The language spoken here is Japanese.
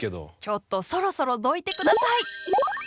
ちょっとそろそろどいて下さい。